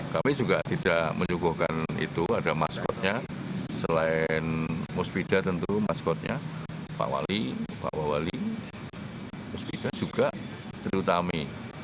kami juga tidak menyuguhkan itu ada maskotnya selain musbida tentu maskotnya pak wali pak wali musbida juga triutami